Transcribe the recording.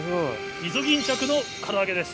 イソギンチャクのから揚げです。